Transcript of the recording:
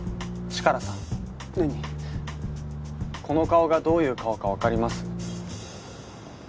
この顔がどういう顔かわかります？